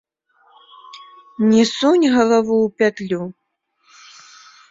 Не сунь галаву ў пятлю!